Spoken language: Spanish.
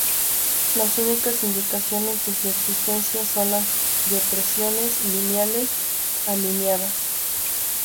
Las únicas indicaciones de su existencia son las depresiones lineales alineadas.